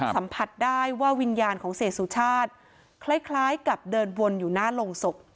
สัมผัสได้ว่าวิญญาณของเสียสุชาติคล้ายกับเดินวนอยู่หน้าโรงศพ